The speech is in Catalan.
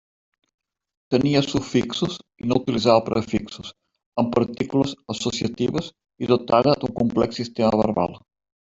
Tenia sufixos i no utilitzava prefixos, amb partícules associatives i dotada d'un complex sistema verbal.